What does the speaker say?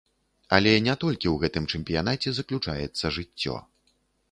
Але не толькі ў гэтым чэмпіянаце заключаецца жыццё.